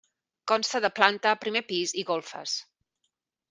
Consta de planta, primer pis i golfes.